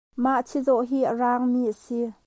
Mah chizawh hi a raang mi a si.